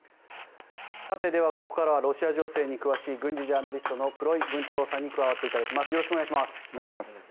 さて、ではここからはロシア情勢に詳しい軍事ジャーナリストの黒井文太郎さんに加わっていただきます。